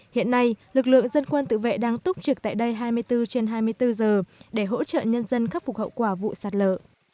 hiện nay lực lượng dân quân tự vệ đang túc trực tại đây hai mươi bốn trên hai mươi bốn giờ để hỗ trợ nhân dân khắc phục hậu quả vụ sạt lở